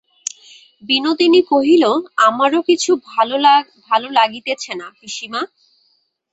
বিনোদিনী কহিল, আমারও কিছু ভালো লাগিতেছে না, পিসিমা।